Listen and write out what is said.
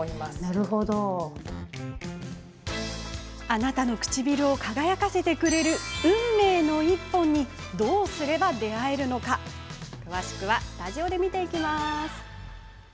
あなたの唇を輝かせてくれる運命の１本にどうすれば出会えるのか詳しくはスタジオでご紹介します。